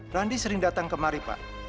randi sering datang kemari pak